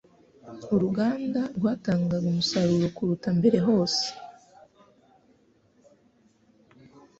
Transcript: Uruganda rwatangaga umusaruro kuruta mbere hose